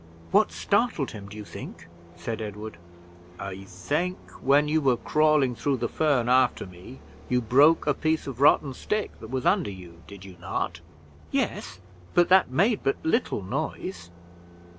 "What startled him, do you think?" said Edward. "I think, when you were crawling through the fern after me, you broke a piece of rotten stick that was under you. Did you not?" "Yes, but that made but little noise."